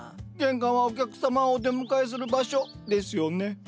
「玄関はお客様をお出迎えする場所」ですよね？